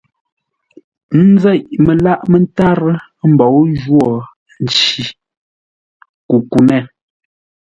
N nzêʼ məlâʼ mə́tárə́ mbǒu jwô nci kukunét.